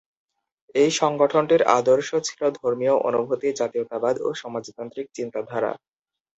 এই সংগঠনটির আদর্শ ছিল ধর্মীয় অনুভূতি, জাতীয়তাবাদ এবং সমাজতান্ত্রিক চিন্তাধারা।